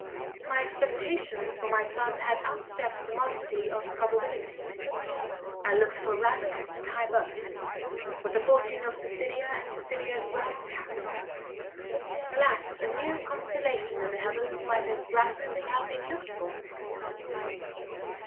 My expectations for my son had "outstepped the modesty of" probability. I looked for rank and high birth, with the fortune of Cecilia, and Cecilia's rare character. Alas! a new constellation in the heavens might as rationally have been looked for!